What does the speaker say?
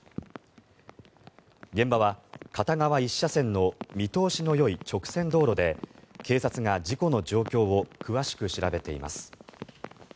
現場は片側１車線の見通しのよい直線道路で警察が事故の状況を詳しく調べています。